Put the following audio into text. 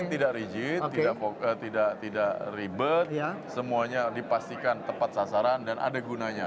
tidak yang penting tidak rigid tidak ribet semuanya dipastikan tepat sasaran dan ada gunanya